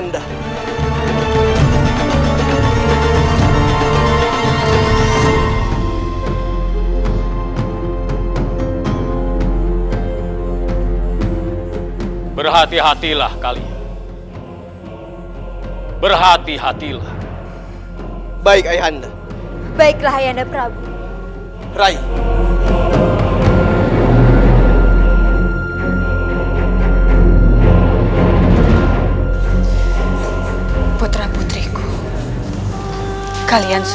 selalu melindungi kalian